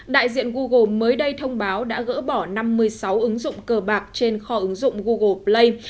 đại diện google mới đây thông báo đã gỡ bỏ năm mươi sáu ứng dụng cờ bạc trên kho ứng dụng google play